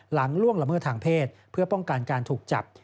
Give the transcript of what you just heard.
ล่วงละเมิดทางเพศเพื่อป้องกันการถูกจับ